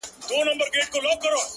• وو حاکم خو زور یې زیات تر وزیرانو,